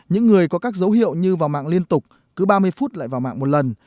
những người có các dấu hiệu như vào mạng liên tục cứ ba mươi phút lại vào mạng một lần